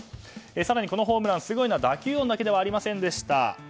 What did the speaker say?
更に、このホームランすごいのは打球音だけではありませんでした。